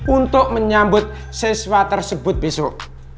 untuk menyambut siswa tersebut besok